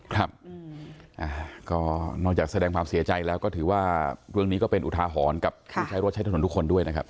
ครับก็นอกจากแสดงความเสียใจแล้วก็ถือว่าเรื่องนี้ก็เป็นอุทาหรณ์กับผู้ใช้รถใช้ถนนทุกคนด้วยนะครับ